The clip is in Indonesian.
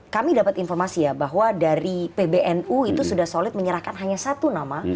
kami dapat informasi ya bahwa dari pbnu itu sudah solid menyerahkan hanya satu nama